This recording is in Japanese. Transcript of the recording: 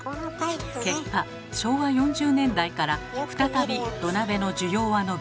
結果昭和４０年代から再び土鍋の需要は伸び